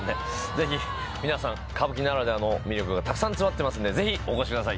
ぜひ皆さん歌舞伎ならではの魅力がたくさん詰まってますんでぜひお越しください